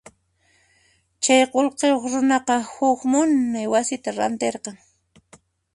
Chay qullqiyuq runaqa huk munay wasita rantirqan.